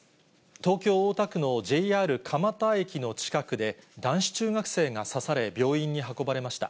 東京・大田区のＪＲ蒲田駅の近くで、男子中学生が刺され、病院に運ばれました。